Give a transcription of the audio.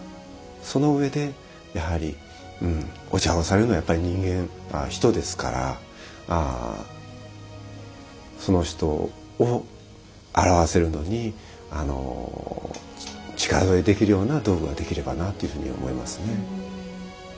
その上でやはりお茶をされるのはやっぱり人間人ですからその人を表せるのに力添えできるような道具をできればなというふうに思いますね。